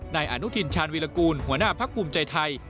นายอนุทินชาญวีรกูลหัวหน้าพักภูมิใจไทย